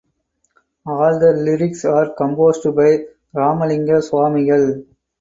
All the lyrics are composed by Ramalinga Swamigal.